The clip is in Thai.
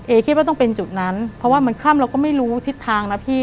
คิดว่าต้องเป็นจุดนั้นเพราะว่ามันค่ำเราก็ไม่รู้ทิศทางนะพี่